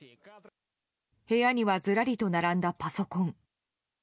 部屋にはずらりと並んだパソコン。